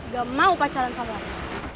gak mau pacaran sama lu